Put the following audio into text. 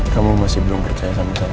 kamu masih belum percaya sama sama